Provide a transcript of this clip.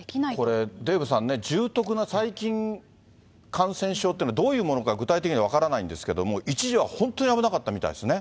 これ、デーブさんね、重篤な細菌感染症っていうのはどういうものか、具体的には分からないんですけども、一時は本当に危なかったみたいですね。